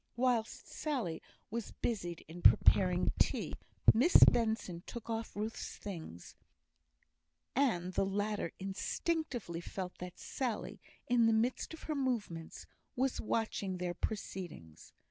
Whilst Sally was busied in preparing tea, Miss Benson took off Ruth's things; and the latter instinctively felt that Sally, in the midst of her movements, was watching their proceedings.